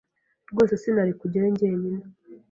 Rwose sinari kujyayo jyenyine.